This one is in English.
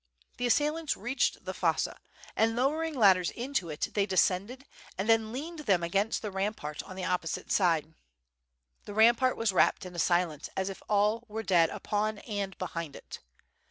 The assailants reached the fosse and lowering ladders into it, they descended, and then leaned them against the rampart on the opposite side. The rampart was wrapped in a silence as if all were dead upon and behind it.